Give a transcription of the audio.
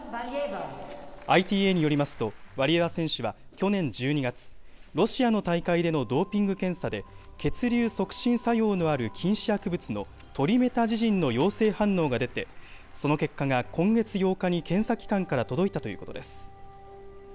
ＩＴＡによりますと、ワリエワ選手は去年１２月、ロシアの大会でのドーピング検査で、血流促進作用のある禁止薬物のトリメタジジンの陽性反応が出て、その結果が今月８日に検査機関から届いたということです。